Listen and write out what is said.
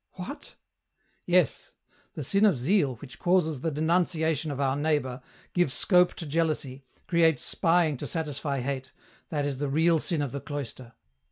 "What?" " Yes : the sin of zeal which causes the denunciation of our neighbour, gives scope to jealousy, creates spying to satisfy hate, that is the real sin of the cloister.